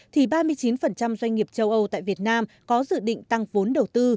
thì ba mươi chín doanh nghiệp châu âu tại việt nam có dự định tăng vốn đầu tư